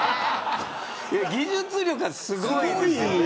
技術力はすごいですよね。